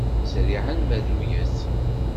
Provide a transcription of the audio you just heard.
Zerriɛa n merruyet.